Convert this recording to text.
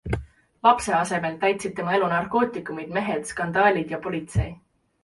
Lapse asemel täitsid tema elu narkootikumid, mehed, skandaalid ja politsei.